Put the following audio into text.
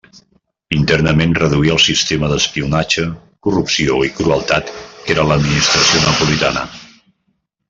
Internament reduí el sistema d'espionatge, corrupció i crueltat que era l'administració napolitana.